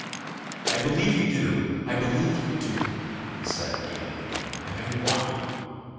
"I believe you do ... I believe you do...." I said again and again, "and I want you."